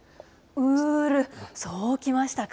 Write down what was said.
うーる、そうきましたか。